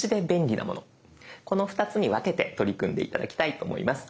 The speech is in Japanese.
この２つに分けて取り組んで頂きたいと思います。